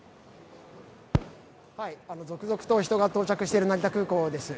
続々と人が到着している成田空港です。